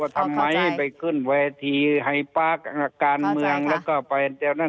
ทำไมไปขึ้นแวทีให้ปากการเมืองแล้วก็ไป